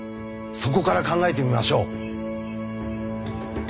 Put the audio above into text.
そこから考えてみましょう。